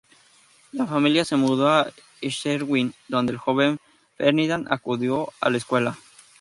La familia se mudó a Schwerin, donde el joven Ferdinand acudió a la escuela.